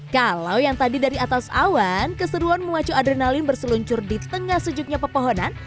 kalau yang tadi dari atas awan keseruan memacu adrenalin berseluncur di tengah sejuknya pepohonan